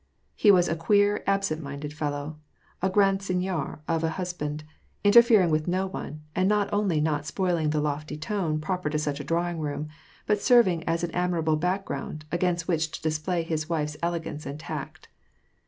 He was a queer, absent minded fellow, a grand seigneur of a husband, interfering with no one, and not only not spoiling the lofty tone proper to such a drawing room, but serving as an admirable background, against which to display his wife's elegance and tact.